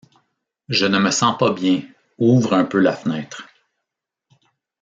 Je ne me sens pas bien, ouvre un peu la fenêtre.